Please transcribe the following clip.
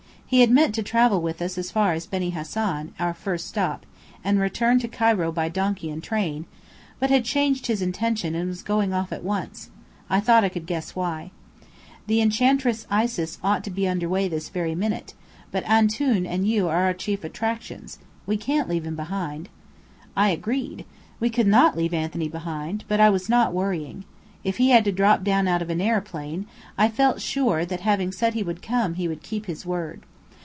He had meant to travel with us as far as Beni Hasan, our first stop, and return to Cairo by donkey and train, but had changed his intention and was going off at once I thought I could guess why. "The Enchantress Isis ought to be under way this minute, but Antoun and you are our chief attractions. We can't leave him behind." I agreed. We could not leave Anthony behind, but I was not worrying. If he had to drop down out of an aeroplane, I felt sure that having said he would come, he would keep his word.